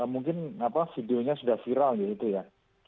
mungkin videonya sudah viral gitu ya